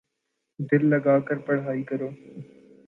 دل لگا کر پڑھائی کرو